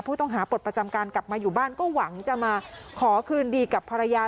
ผู้ต้องหาปลดประจำการกลับมาอยู่บ้านก็หวังจะมาขอคืนดีกับภรรยา